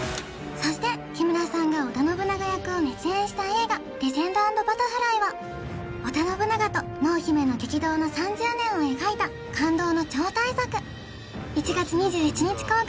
そして木村さんが織田信長役を熱演した映画「ＴＨＥＬＥＧＥＮＤ＆ＢＵＴＴＥＲＦＬＹ」は織田信長と濃姫の激動の３０年を描いた感動の超大作１月２７日公開